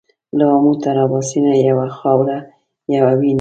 له آمو تر اباسینه یوه خاوره یو وینه